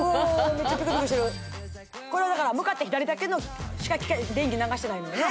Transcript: めっちゃピクピクしてるこれはだから向かって左だけのしか電気流してないのね